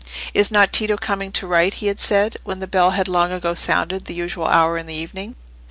"Is not Tito coming to write?" he had said, when the bell had long ago sounded the usual hour in the evening.